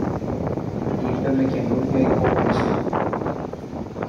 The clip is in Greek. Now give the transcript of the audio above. είπε με καινούρια υπόκλιση.